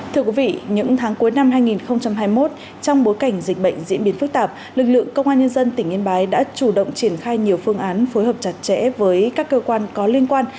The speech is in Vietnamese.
thưa quý vị những tháng cuối năm hai nghìn hai mươi một trong bối cảnh dịch bệnh diễn biến phức tạp lực lượng công an nhân dân tỉnh yên bái đã chủ động triển khai nhiều phương án phối hợp chặt chẽ với các cơ quan có liên quan